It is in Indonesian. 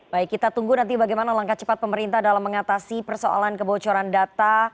baik kita tunggu nanti bagaimana langkah cepat pemerintah dalam mengatasi persoalan kebocoran data